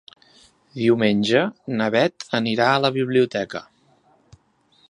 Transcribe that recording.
Diumenge na Beth anirà a la biblioteca.